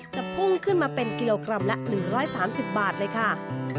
พุ่งขึ้นมาเป็นกิโลกรัมละ๑๓๐บาทเลยค่ะ